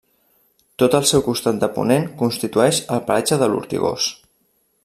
Tot el seu costat de ponent constitueix el paratge de l'Ortigós.